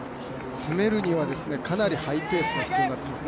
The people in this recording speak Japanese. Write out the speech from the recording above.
詰めるには、かなりハイペースが必要になってきます。